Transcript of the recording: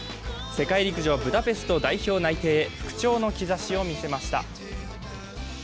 世界陸上ブダペスト代表内定へ復調の兆しを見せました。